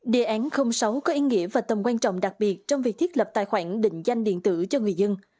đề án sáu có ý nghĩa và tầm quan trọng đặc biệt trong việc thiết lập tài khoản định danh điện tử cho người dân